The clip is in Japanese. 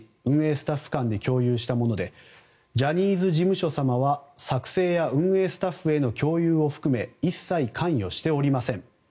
スタッフ間で共有したものでジャニーズ事務所様は、作成や運営スタッフへの共有を含め一切関与しておりません。